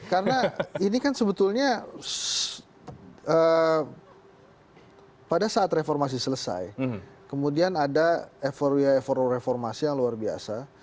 karena ini kan sebetulnya pada saat reformasi selesai kemudian ada eforia eforo reformasi yang luar biasa